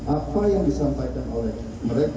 apa yang disampaikan oleh mereka